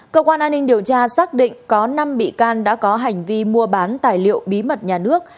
cơ quan an ninh điều tra xác định có năm bị can đã có hành vi mua bán tài liệu bí mật nhà nước